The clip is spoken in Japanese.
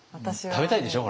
食べたいでしょう？